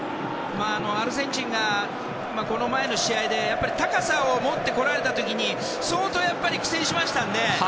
アルゼンチンがこの前の試合で高さを持ってこられた時に相当苦戦しましたので。